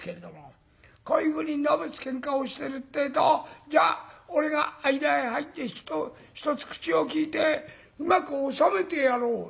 こういうふうにのべつ喧嘩をしてるってえと「じゃあ俺が間へ入ってひとつ口を利いてうまく収めてやろう」なんて